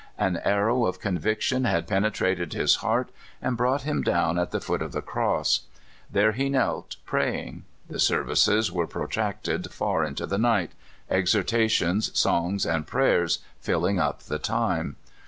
An arrow of conviction had penetrated his heart, and brought him down at the foot of the cross. There he knelt, praying. The services were protracted far into the night, exhortations, songs, and prayers filling up the time.